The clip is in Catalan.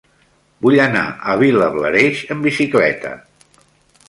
Vull anar a Vilablareix amb bicicleta.